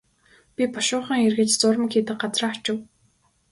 Би бушуухан эргэж зуурмаг хийдэг газраа очив.